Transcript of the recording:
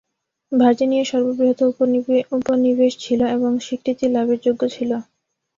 Virginia সর্ববৃহৎ উপনিবেশ ছিল এবং স্বীকৃতি লাভের যোগ্য ছিল।